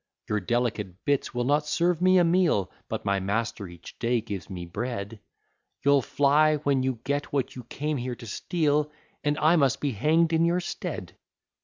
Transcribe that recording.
Your delicate bits will not serve me a meal, But my master each day gives me bread; You'll fly, when you get what you came here to steal, And I must be hang'd in your stead.